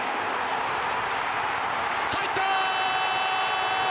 入った！